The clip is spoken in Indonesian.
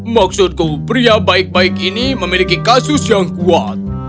maksudku pria baik baik ini memiliki kasus yang kuat